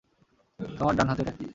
তোমার ডান হাতে এটা কী?